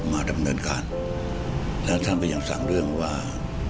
มาดำเนินการและท่านก็ยังสั่งเรื่องว่า